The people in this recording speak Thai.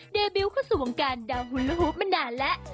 เดบิวเขาสู่วงการดังฮุลฮุปมานานแล้ว